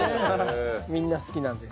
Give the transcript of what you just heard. みんな好きなんです。